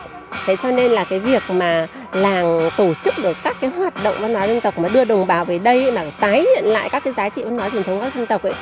thế cho nên là cái việc mà làng tổ chức được các cái hoạt động văn hóa dân tộc mà đưa đồng bào về đây mà phải tái hiện lại các cái giá trị văn hóa dân tộc